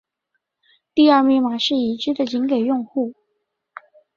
第二密码是已知的仅给用户。